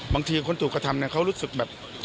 บางทีคนถูกกระทำเนี่ยเขารู้สึกแบบ